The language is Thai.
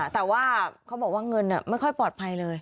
แต่ว่าเขาบอกว่าเงินไม่ค่อยปลอดภัยเลย